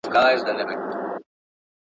د سود په اړه جدي اوسئ.